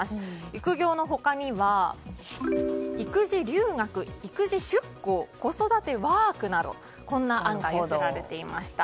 育業の他には育児留学、育児出向子育てワークなどこんな案が寄せられていました。